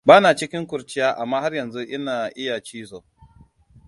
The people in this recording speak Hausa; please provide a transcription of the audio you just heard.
Bana cikin kurciya amma har yanzu ina iya cizo.